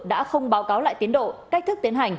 đã không báo cáo lại tiến độ cách thức tiến hành